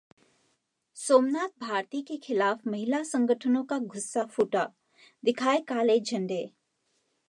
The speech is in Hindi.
सोमनाथ भारती के खिलाफ महिला संगठनों का गुस्सा फूटा, दिखाए काले झंडे